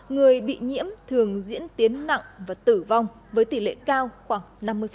người bị nhiễm thường diễn tiến nặng và tử vong với tỷ lệ cao khoảng năm mươi